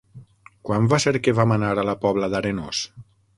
Quan va ser que vam anar a la Pobla d'Arenós?